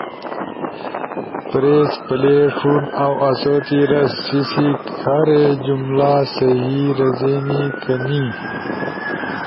پریس پلے، ݜون اؤ آسو تے رس: سی سی کھارین جملہ صحیح رزینی کہ نی؟